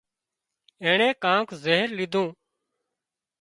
اينڻي ڪانڪ زهر ليڌُون